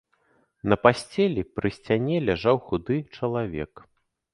На пасцелі, пры сцяне ляжаў худы чалавек.